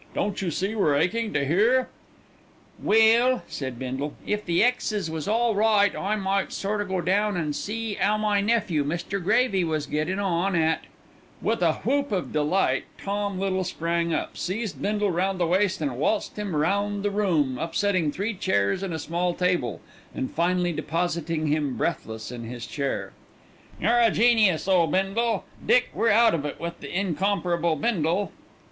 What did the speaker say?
"Don't you see we're aching to hear?" "Well," said Bindle, "if the exes was all right I might sort o' go down an' see 'ow my nephew, Mr. Gravy, was gettin' on at " With a whoop of delight Tom Little sprang up, seized Bindle round the waist, and waltzed him round the room, upsetting three chairs and a small table, and finally depositing him breathless in his chair. "You're a genius, O Bindle! Dick, we're out of it with the incomparable Bindle."